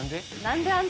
何で？